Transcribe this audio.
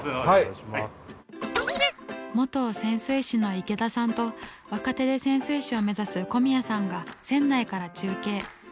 元潜水士の池田さんと若手で潜水士を目指す小宮さんが船内から中継。